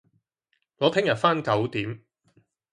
我聽日返九點